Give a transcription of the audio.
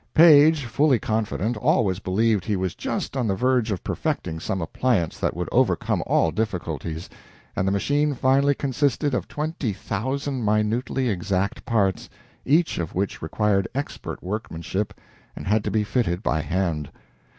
Paige, fully confident, always believed he was just on the verge of perfecting some appliance that would overcome all difficulties, and the machine finally consisted of twenty thousand minutely exact parts, each of which required expert workmanship and had to be fitted by hand.